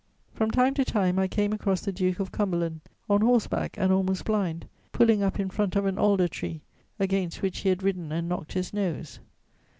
From time to time, I came across the Duke of Cumberland, on horseback and almost blind, pulling up in front of an alder tree, against which he had ridden and knocked his nose.